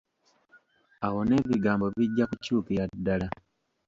Awo n'ebigambo bijja okukyukira ddala.